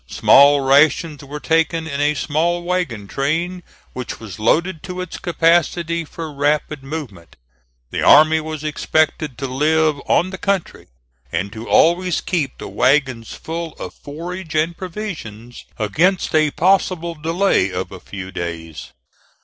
Small rations were taken in a small wagon train, which was loaded to its capacity for rapid movement. The army was expected to live on the country, and to always keep the wagons full of forage and provisions against a possible delay of a few days.